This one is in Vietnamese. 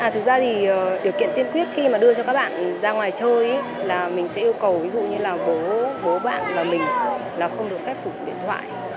thực ra thì điều kiện tiên quyết khi mà đưa cho các bạn ra ngoài chơi là mình sẽ yêu cầu ví dụ như là bố bố bạn và mình không được phép sử dụng điện thoại